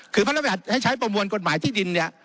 คือพระราชบัติให้ใช้ประมวลกฎหมายที่ดินเนี่ย